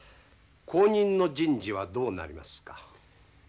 後任の人事はどうなりますか？